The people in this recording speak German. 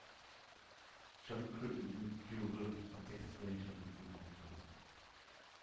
John Crittenden Duval war Texas Ranger und Buchautor.